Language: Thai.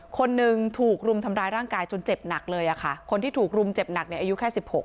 คนหนึ่งถูกรุมทำร้ายร่างกายจนเจ็บหนักเลยอ่ะค่ะคนที่ถูกรุมเจ็บหนักเนี่ยอายุแค่สิบหก